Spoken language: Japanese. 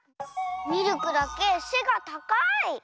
ミルクだけせがたかい！